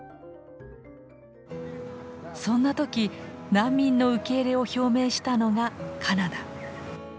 そんな時難民の受け入れを表明したのがカナダ。